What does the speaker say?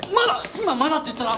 今まだって言ったな！？